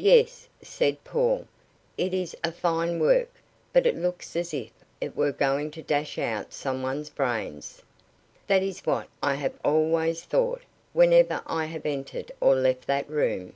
"Yes," said Paul. "It is a fine work, but it looks as if it were going to dash out some one's brains." "That is what I have always thought whenever I have entered or left that room."